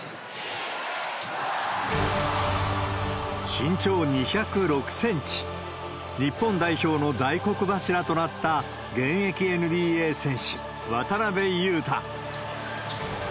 身長２０６センチ、日本代表の大黒柱となった現役ＮＢＡ選手、渡邊雄太。